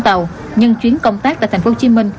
tàu nhưng chuyến công tác tại tp hcm